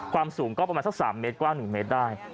ความสูงก็ประมาณสัก๓เมตรกว้าง๑เมตรได้